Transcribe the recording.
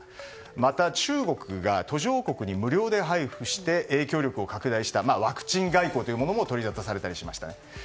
また中国が途上国に無料で配布して影響力を拡大したワクチン外交というものも取りざたされました。